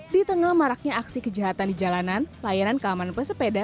di tengah maraknya aksi kejahatan di jalanan layanan keamanan pesepeda